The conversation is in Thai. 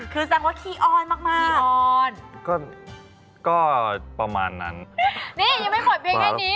คือยังไงแมลปัอร์เซียแมลปัอร์เซีย